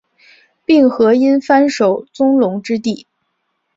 并河因幡守宗隆之弟。